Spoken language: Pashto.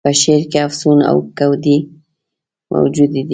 په شعر کي افسون او کوډې موجودي دي.